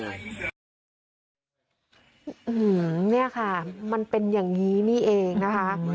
เนี่ยค่ะมันเป็นอย่างนี้นี่เองนะคะ